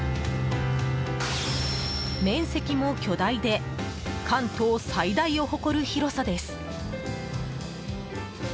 面積も巨大で関東最大を誇る広さです。